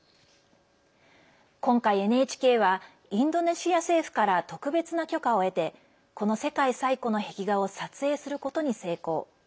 今回、ＮＨＫはインドネシア政府から特別な許可を得てこの世界最古の壁画を撮影することに成功。